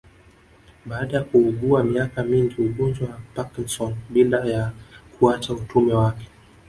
Baada ya kuugua miaka mingi Ugonjwa wa Parknson bila ya kuacha utume wake